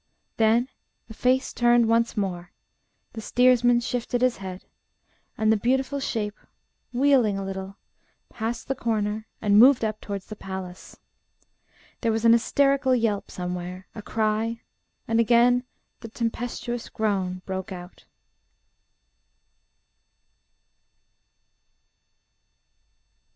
Then the face turned once more, the steersman shifted his head, and the beautiful shape, wheeling a little, passed the corner, and moved up towards the palace. There was an hysterical yelp somewhere, a cry, and again the tempestuous groan broke out.